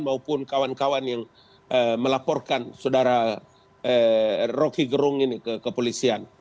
maupun kawan kawan yang melaporkan saudara rocky gerung ini ke kepolisian